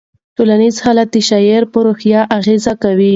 ټولنیز حالات د شاعر په روحیه اغېز کوي.